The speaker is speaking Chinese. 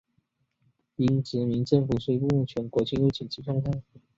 英殖民政府宣布全国进入紧急状态。